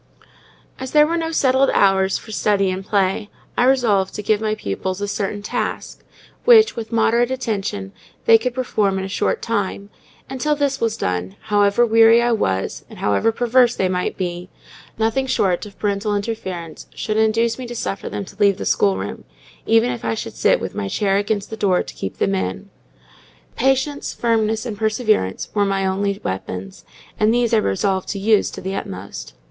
As there were no settled hours for study and play, I resolved to give my pupils a certain task, which, with moderate attention, they could perform in a short time; and till this was done, however weary I was, or however perverse they might be, nothing short of parental interference should induce me to suffer them to leave the schoolroom, even if I should sit with my chair against the door to keep them in. Patience, Firmness, and Perseverance were my only weapons; and these I resolved to use to the utmost.